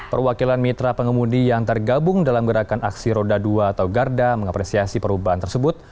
perwakilan mitra pengemudi yang tergabung dalam gerakan aksi roda dua atau garda mengapresiasi perubahan tersebut